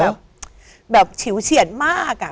แบบแบบฉิวเฉียนมากอะ